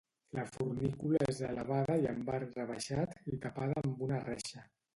La fornícula és elevada i amb arc rebaixat i tapada amb una reixa.